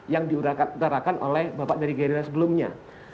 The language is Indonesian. yang diutarakan oleh bapak dari gerindra sebelumnya